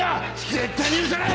絶対に許さない！